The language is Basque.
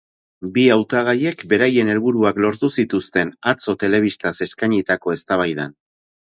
Bi hautagiek beraien helburuak lortu zituzten atzo telebistaz eskainitako eztabaidan.